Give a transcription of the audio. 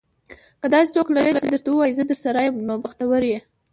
که داسې څوک لرې چې درته وايي, زه درسره یم. نو بختور یې.